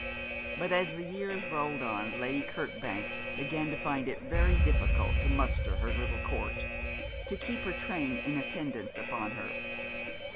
But as the years rolled on Lady Kirkbank began to find it very difficult to muster her little court, to keep her train in attendance upon her.